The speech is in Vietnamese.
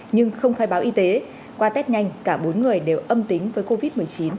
nhưng không khai báo y tế qua test nhanh cả bốn người đều âm tính với covid một mươi chín